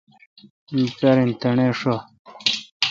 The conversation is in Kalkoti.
می پارن تݨے ° ݭہ